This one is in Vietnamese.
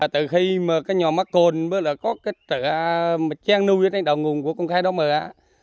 từ khi nhà máy cồn có trang nuôi ở đạo nguồn của khai đá mài